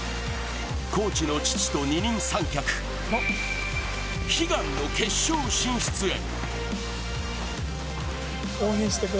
コーチの父と二人三脚、悲願の決勝進出へ。